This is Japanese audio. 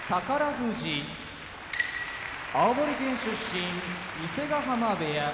富士青森県出身伊勢ヶ濱部屋